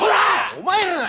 お前らだ！